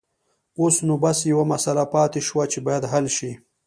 اوس نو بس يوه مسله پاتې شوه چې بايد حل شي.